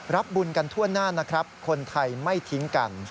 บุญกันทั่วหน้านะครับคนไทยไม่ทิ้งกัน